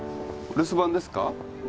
留守番ですか？